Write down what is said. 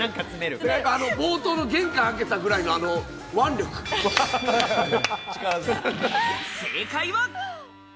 冒頭の玄関開けたくらいの腕正解は。